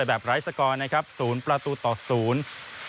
แบบไร้สกรศูนย์ประตูต่อศูนย์